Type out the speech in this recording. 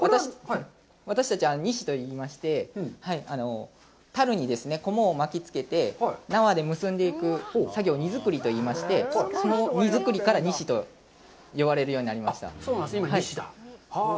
私たちは荷師といいまして、樽に菰を巻き付けて、縄で結んでいく作業を荷作りといいまして、その荷作りから荷師と呼ばれるようになりました。